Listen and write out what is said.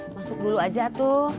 masuk dulu aja tuh